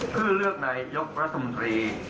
เพื่อเลือกนายยกรัฐมนตรี